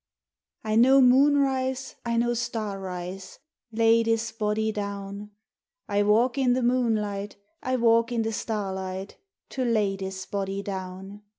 T KNOW moon rise, I know star rise, *• Lay dis body down ; I walk in de moonlight, I walk in de starlight, To lay dis body down.